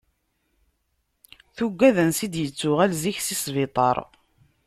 Tuggad ansi d-yettuɣal zik si sbiṭar.